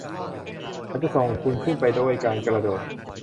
ฉันจะส่งคุณขึ้นไปด้วยการกระโดด